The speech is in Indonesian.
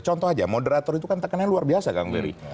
contoh aja moderator itu kan tekanannya luar biasa kang beri